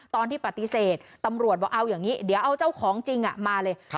ตอนที่ปฏิเสธตำรวจบอกเอาอย่างนี้เดี๋ยวเอาเจ้าของจริงมาเลย